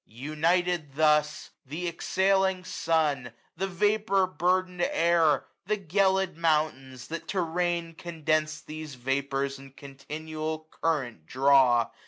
United, thus, Th' exhaling sun, the vapour burden'd air, The gelid mountains, that to rain condens'd These vapours in continual current draw.